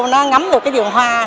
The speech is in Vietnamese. nó ngắm được cái đường hoa